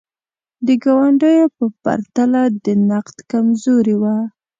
د ګاونډیو په پرتله د نقد کمزوري وه.